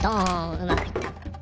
うまくいった。